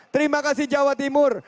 terima kasih jawa timur